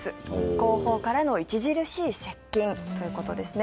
後方からの著しい接近ということですね。